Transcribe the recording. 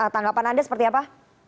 tanggapan anda seperti apa